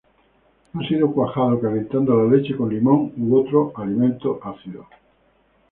Ha sido cuajado calentando la leche con limón u otro alimento ácido.